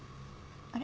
あれ？